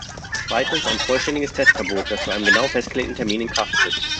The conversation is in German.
Zweitens ein vollständiges Testverbot, das zu einem genau festgelegten Termin in Kraft tritt.